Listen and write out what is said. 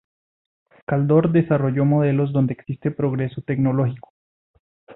Kaldor desarrolló modelos donde existe progreso tecnológico.